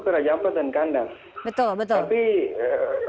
ke raja ampat dan kandas